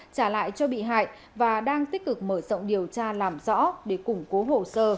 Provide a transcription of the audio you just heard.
trả lại cho bị hại và đang tích cực mở rộng điều tra làm rõ để củng cố hồ sơ